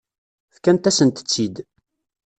Fkant-asent-tt-id.